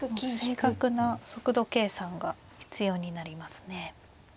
正確な速度計算が必要になりますね。